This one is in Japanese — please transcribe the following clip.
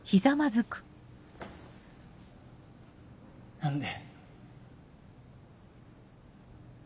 何で？